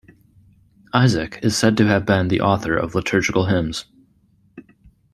Isaac is said to have been the author of liturgical hymns.